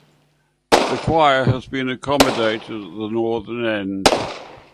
The choir has been accommodated at the northern end.